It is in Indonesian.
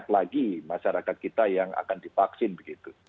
kita lebih banyak lagi masyarakat kita yang akan divaksin begitu